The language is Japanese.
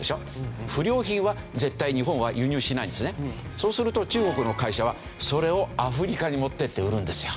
そうすると中国の会社はそれをアフリカに持っていって売るんですよ。